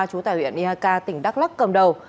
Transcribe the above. chú tài huyện ihk tỉnh đắk lắc cầm đầu